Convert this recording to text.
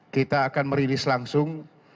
kita akan merilis langsung